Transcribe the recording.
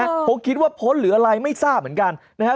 เขาคิดว่าพ้นหรืออะไรไม่ทราบเหมือนกันนะครับ